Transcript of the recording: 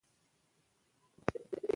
اودس خانې پۀ لاندې چت کښې وې